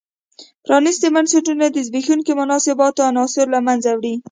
پرانیستي بنسټونه د زبېښونکو مناسباتو عناصر له منځه وړي.